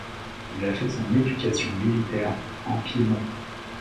Il a fait son éducation militaire en Piémont.